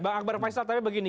bang akbar faisal tapi begini